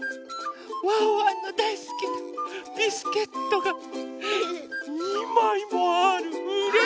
ワンワンのだいすきなビスケットが２まいもある！